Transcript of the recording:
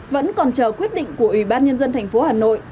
vẫn còn chờ quyết định của ủy ban nhân dân tp hà nội